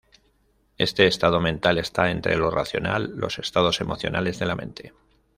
Este estado mental está entre lo racional los estados emocionales de la mente.